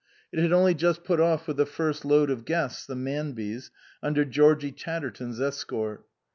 It had only just put off with the first load of guests the Manbys under Georgie Chatterton's escort.